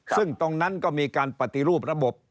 ซึ่งตรงนั้นก็มีการปฏิรูประบบ